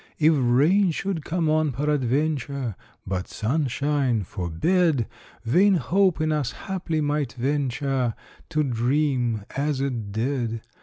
If rain should come on, peradventure, (But sunshine forbid!) Vain hope in us haply might venture To dream as it did.